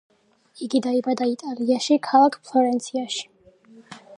იგი დაიბადა იტალიაში, ქალქ ფლორენციაში.